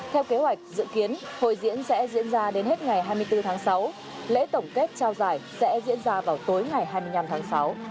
theo kế hoạch dự kiến hội diễn sẽ diễn ra đến hết ngày hai mươi bốn tháng sáu lễ tổng kết trao giải sẽ diễn ra vào tối ngày hai mươi năm tháng sáu